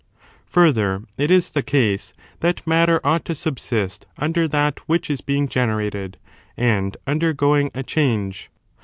Further, it is the case that matter and matter as ought to subsist under that which is being gene ^ ^i^^ °' rated and undergoing a change.